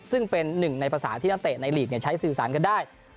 ซึ่งเป็นหนึ่งในภาษาที่นักเตะในลีกใช้สื่อสารกันได้